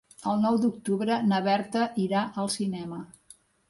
El nou d'octubre na Berta irà al cinema.